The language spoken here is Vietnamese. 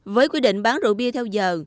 với quy định bán rượu bia theo giờ